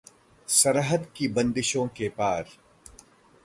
सरहद की बंदिशों के पार